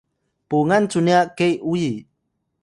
pungan cu nya ke uyi